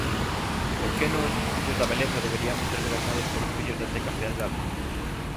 Por que nós, fillos da beleza deberiamos ser gobernados polos fillos da seca fealdade?